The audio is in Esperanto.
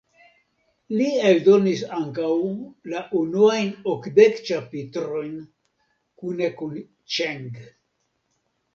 Li eldonis ankaŭ la unuajn okdek ĉapitrojn kune kun Ĉeng.